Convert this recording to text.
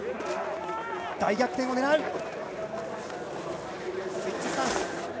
大逆転を狙う。